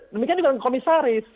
demikian juga dengan komisaris